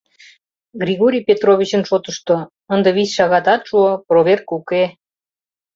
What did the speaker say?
Григорий Петровичын шотышто, ынде вич шагатат шуо — проверка уке...